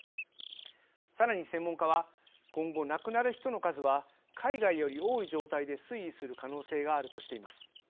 さらに、専門家は今後、亡くなる人の数は海外より多い状態で推移する可能性があるとしています。